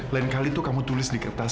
lain kali tuh kamu tulis di kertas